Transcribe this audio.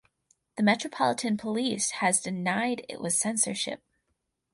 The Metropolitan Police has since denied it was censorship.